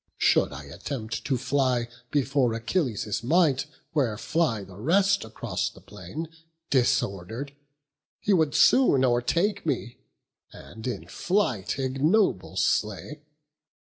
should I attempt to fly Before Achilles' might, where fly the rest Across the plain, disorder'd, he would soon O'ertake me, and in flight ignoble slay.